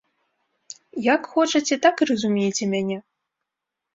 Як хочаце, так і разумейце мяне.